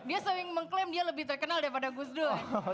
dia sering mengklaim dia lebih terkenal daripada gus dur